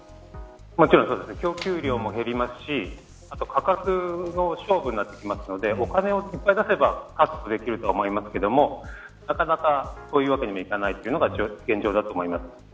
供給量も減りますし価格の勝負になってくるのでお金をいっぱい出せば確保できるとは思いますがなかなか、そういうわけにもいかないのが現状だと思います。